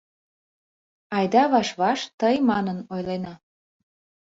Айда ваш-ваш “тый” манын ойлена.